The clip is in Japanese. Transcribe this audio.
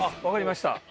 分かりました。